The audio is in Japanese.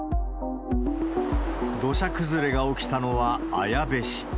土砂崩れが起きたのは綾部市。